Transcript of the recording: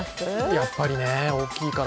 やっぱりね、大きいから。